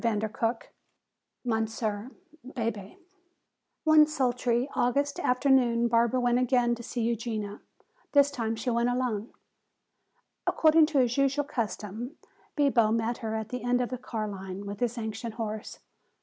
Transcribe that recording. CHAPTER XI Monsieur Bebé One sultry August afternoon Barbara went again to see Eugenia. This time she went alone. According to his usual custom Bibo met her at the end of the car line with his ancient horse.